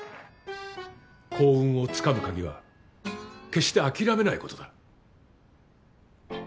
幸運を掴む鍵は決して諦めないことだ。